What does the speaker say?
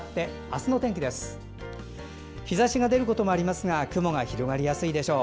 日ざしが出ることもありますが雲が広がりやすいでしょう。